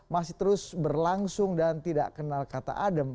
masih terus berlangsung dan tidak kenal kata adem